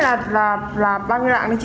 một túi này là bao nhiêu lạng đấy chị